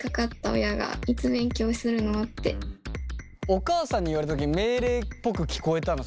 お母さんに言われた時命令っぽく聞こえたの？